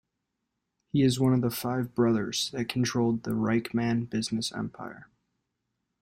He is one of the five brothers that controlled the Reichmann business empire.